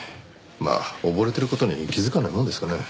まあ溺れてる事に気づかないものですかね？